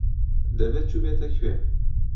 دەبێ چووبێتە کوێ.